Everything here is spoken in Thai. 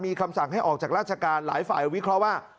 มีคำสั่งให้ออกจากราชการหลายฝ่ายวิเคราะห์ว่า